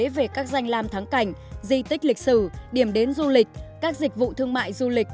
về các danh lam thắng cảnh di tích lịch sử điểm đến du lịch các dịch vụ thương mại du lịch